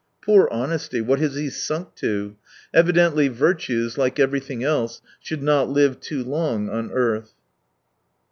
Poor honesty ! What has he sunk to ! Evidently virtues, like everything else, should not live too long on earth.